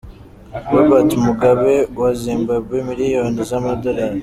Robert Mugabe wa Zimbabwe: milliyoni z’amadolari.